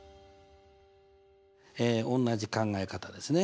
え同じ考え方ですね。